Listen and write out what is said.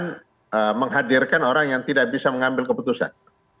kemudian menghadirkan orang yang tidak bisa mengambil keputusan